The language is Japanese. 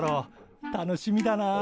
楽しみだなあ。